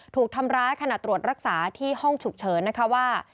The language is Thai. ถูกทำร้ายขณะตรวจรักษาที่ห้องฉุกเฉินนะคะว่า